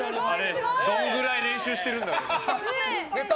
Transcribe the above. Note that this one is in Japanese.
どのぐらい練習してるんだろう。